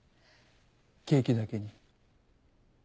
ケーキだけに。